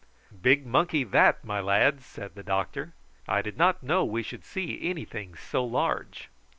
"Big monkey that, my lads," said the doctor. "I did not know we should see anything so large."